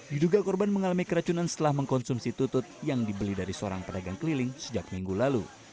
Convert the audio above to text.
diduga korban mengalami keracunan setelah mengkonsumsi tutut yang dibeli dari seorang pedagang keliling sejak minggu lalu